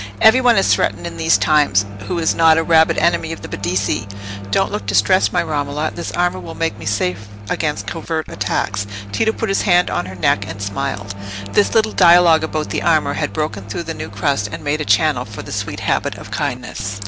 "Every one is threatened in these times, who is not a rabid enemy of the Medici. Don't look distressed, my Romola—this armour will make me safe against covert attacks." Tito put his hand on her neck and smiled. This little dialogue about the armour had broken through the new crust, and made a channel for the sweet habit of kindness.